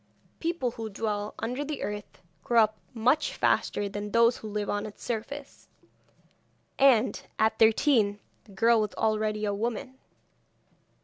People who dwell under the earth grow up much faster than those who live on its surface, and, at thirteen, the girl was already a woman.